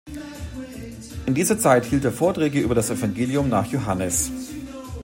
In dieser Zeit hielt er Vorträge über das Evangelium nach Johannes.